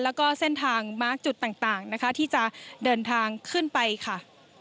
แล้วก็เส้นทางมาร์คจุดต่างนะคะที่จะเดินทางขึ้นไปค่ะ